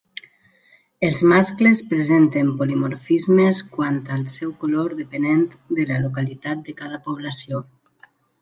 Els mascles presenten polimorfismes quant al seu color depenent de localitat de cada població.